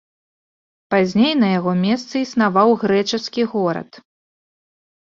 Пазней на яго месцы існаваў грэчаскі горад.